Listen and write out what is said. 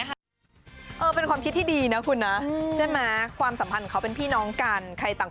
หนูก็คือหนูก็รักเขาแต่ว่าเราไม่ได้รักแบบทางอยากจะเป็นแฟนหรือว่าครอบครอง